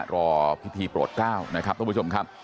รอพิธีโปรด๙นะครับ